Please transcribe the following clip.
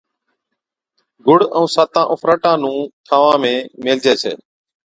گُڙ ائُون ساتان اُڦراٽان نُون ٺانوان ۾ ميھلجي ڇَي